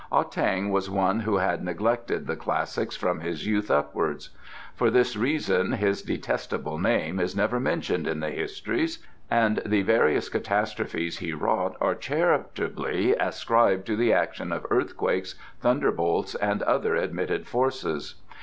Ah tang was one who had neglected the Classics from his youth upwards. For this reason his detestable name is never mentioned in the Histories, and the various catastrophes he wrought are charitably ascribed to the action of earthquakes, thunderbolts and other admitted forces.